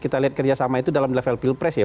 kita lihat kerjasama itu dalam level pilpres ya